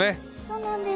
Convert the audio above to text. そうなんです。